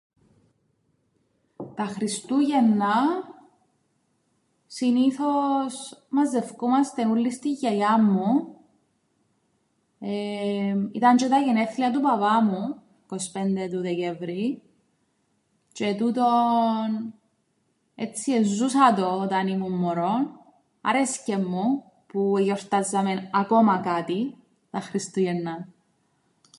Τα Χριστούγεννα συνήθως μαζευκούμαστεν ούλλοι στην γιαγιάν μου, ήταν τžαι τα γενέθλια του παπά μου κοσπέντε του Δεκέμβρη τžαι τούτον έτσι εζούσα το όταν ήμουν μωρόν, άρεσκεν μου που εγιορτάζαμεν ακόμα κάτι τα Χριστούγεννα.